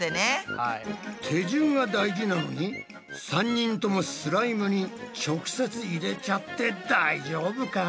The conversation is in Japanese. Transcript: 手順が大事なのに３人ともスライムに直接入れちゃって大丈夫か？